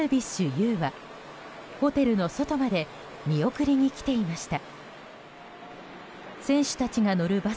有はホテルの外まで見送りに来ていました。